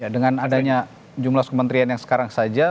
dengan adanya jumlah kementerian yang sekarang saja